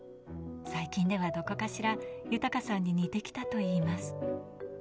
最近ではどこかしら豊さんに似てきたといいます。